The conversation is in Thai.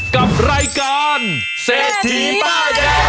กับรายการเศรษฐีป้ายแดง